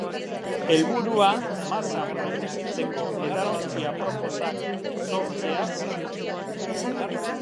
Helburua masan produzitzeko edalontzi aproposak sortzea zen.